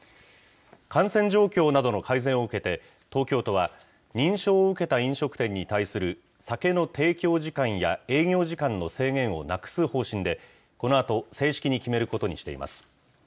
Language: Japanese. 感染状況などの改善を受けて、東京都は、認証を受けた飲食店に対する酒の提供時間や営業時間の制限をなくす方針で、このあと正式に決めることにしています。